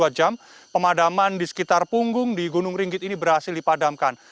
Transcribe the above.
jadi dua jam pemadaman di sekitar punggung di gunung ringgit ini berhasil dipadamkan